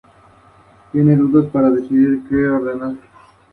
Militar profesional, llegaría a alcanzar el rango de teniente coronel de caballería.